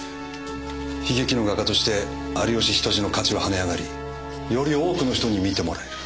悲劇の画家として有吉比登治の価値は跳ね上がりより多くの人に見てもらえる。